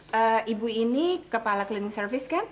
ibu ini kepala cleaning service kan